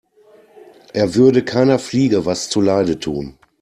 Er würde keiner Fliege was zu Leide tun.